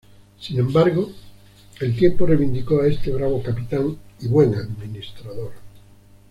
Sin embargo, el tiempo reivindicó a este bravo capitán y buen administrador.